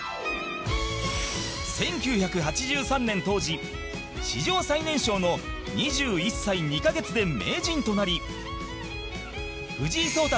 １９８３年当時史上最年少の２１歳２カ月で名人となり藤井聡太